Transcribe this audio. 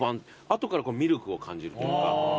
後からミルクを感じるというか。